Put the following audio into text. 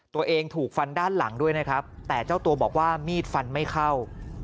ตัวเองถูกฟันด้านหลังด้วยนะครับแต่เจ้าตัวบอกว่ามีดฟันไม่เข้า